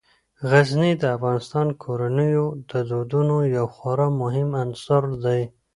غزني د افغان کورنیو د دودونو یو خورا مهم عنصر دی.